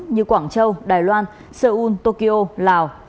như quảng châu đài loan seoul tokyo lào